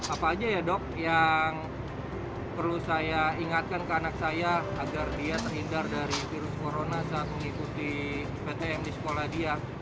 apa aja ya dok yang perlu saya ingatkan ke anak saya agar dia terhindar dari virus corona saat mengikuti ptm di sekolah dia